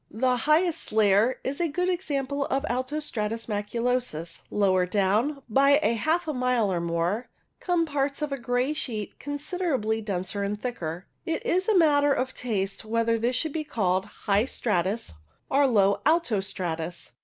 The highest layer is a good example of alto stratus maculosus. Lower down, by half a mile or more, come parts of a grey sheet considerably denser and thicker. It is a matter of taste whether this should be called high stratus or low alto stratus.